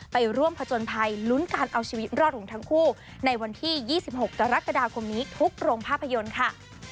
ไปร่วมผจญภัยลุ้นการเอาชีวิตรอดของทั้งคู่ในวันที่๒๖กรกฎาคมนี้ทุกโรงภาพยนตร์ค่ะ